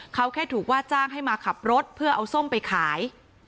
เขาแค่ถูกว่าจ้างให้มาขับรถเพื่อเอาส้มไปขาย